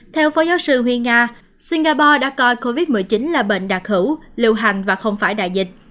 theo phó giáo sư huy nga singapore đã coi covid một mươi chín là bệnh đặc hữu lưu hành và không phải đại dịch